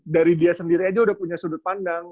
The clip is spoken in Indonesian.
dari dia sendiri aja udah punya sudut pandang